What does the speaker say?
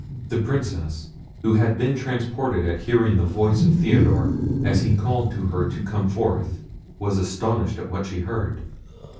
The Princess, who had been transported at hearing the voice of Theodore, as he called to her to come forth, was astonished at what she heard.